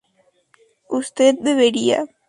usted bebería